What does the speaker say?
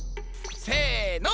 せの！